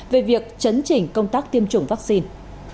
về việc chấn chỉnh công tác tiêm chủng vaccine